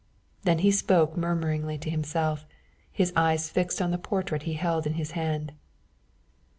Then he spoke murmuringly to himself, his eyes fixed on the portrait he held in his hand.